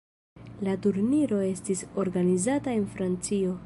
La turniro estis organizata en Francio.